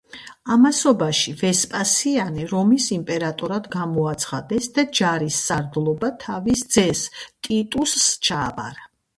ამასობაში ვესპასიანე რომის იმპერატორად გამოაცხადეს და ჯარის სარდლობა თავის ძეს ტიტუსს ჩააბარა.